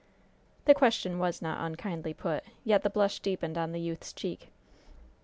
The question was not unkindly put, yet the blush deepened on the youth's cheek.